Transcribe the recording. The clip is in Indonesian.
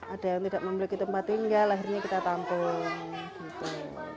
ada yang tidak memiliki tempat tinggal akhirnya kita tampung gitu